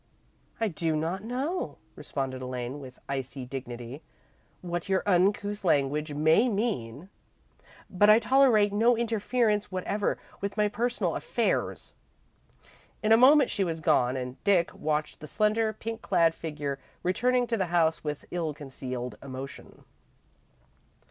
"I do not know," responded Elaine, with icy dignity, "what your uncouth language may mean, but I tolerate no interference whatever with my personal affairs." In a moment she was gone, and Dick watched the slender, pink clad figure returning to the house with ill concealed emotion.